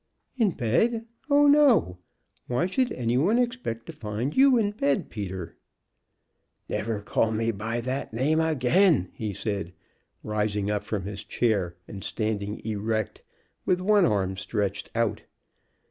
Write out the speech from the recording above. "In bed? Oh no! Why should any one expect to find you in bed, Peter?" "Never call me by that name again!" he said, rising up from his chair, and standing erect, with one arm stretched out.